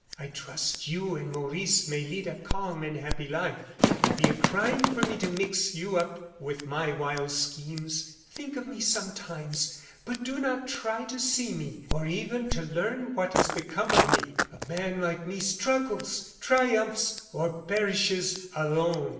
I trust you and Maurice may lead a calm and happy life. It would be a crime for me to mix you up with my wild schemes. Think of me sometimes, but do not try to see me, or even to learn what has become of me. A man like me struggles, triumphs, or perishes alone."